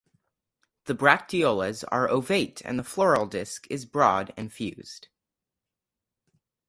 The bracteoles are ovate and the floral disc is broad and fused.